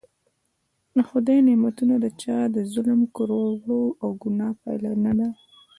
د خدای نعمتونه د چا د ظلم کړو وړو او ګناه پایله نده.